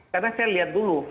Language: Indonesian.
karena saya lihat dulu